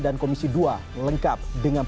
dan komisi dua lengkap dengan